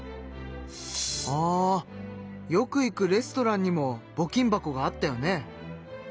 あよく行くレストランにもぼ金箱があったよね？